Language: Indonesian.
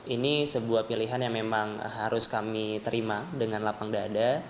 ini sebuah pilihan yang memang harus kami terima dengan lapang dada